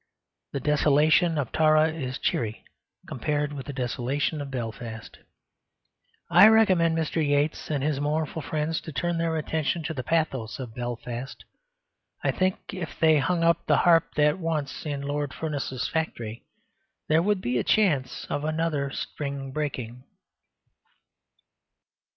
The desolation of Tara is cheery compared with the desolation of Belfast. I recommend Mr. Yeats and his mournful friends to turn their attention to the pathos of Belfast. I think if they hung up the harp that once in Lord Furness's factory, there would be a chance of another string breaking.